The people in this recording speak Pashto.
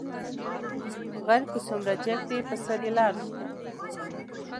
غر کۀ څومره جګ دى، پۀ سر يې لار شته.